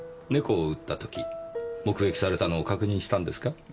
猫を撃った時目撃されたのを確認したんですか？